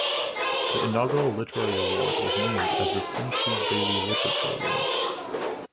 The inaugural literary award was named as the Sin Chew Daily Literature Awards.